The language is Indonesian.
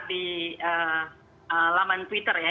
di laman twitter ya